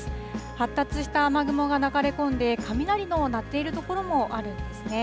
発達した雨雲が流れ込んで、雷の鳴っている所もあるんですね。